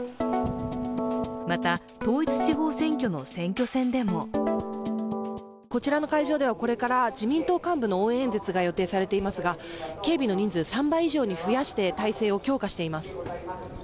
また、統一地方選挙の選挙戦でもこちらの会場ではこれから自民党幹部の応援演説が予定されていますが警備の人数、３倍以上に増やして態勢を強化しています。